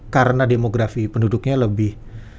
karena demografi penduduknya lebih